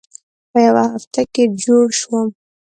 په یوه هفته کې جوړ شوم.